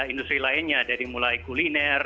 industri lainnya dari mulai kuliner